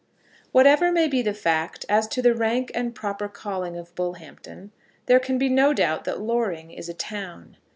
Whatever may be the fact as to the rank and proper calling of Bullhampton, there can be no doubt that Loring is a town.